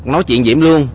nói chuyện diễm luôn